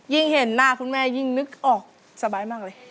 เห็นหน้าคุณแม่ยิ่งนึกออกสบายมากเลย